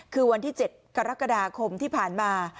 คือวันที่๗กรกฎาคมที่ผ่านมา